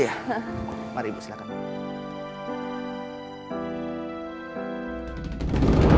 iya mari ibu silahkan